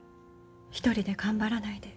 １人で頑張らないで。